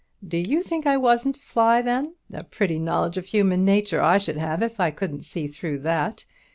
Do you think I wasn't fly, then? A pretty knowledge of human nature I should have, if I couldn't see through that.